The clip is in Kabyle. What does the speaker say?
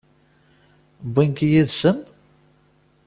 Wwin-k yid-sen?